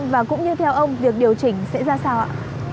và cũng như theo ông việc điều chỉnh sẽ ra sao ạ